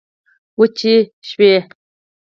وچي شوې